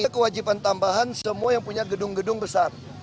ada kewajiban tambahan semua yang punya gedung gedung besar